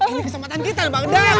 ini kesempatan kita bangdang